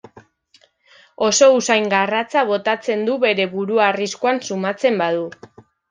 Oso usain garratza botatzen du bere burua arriskuan sumatzen badu.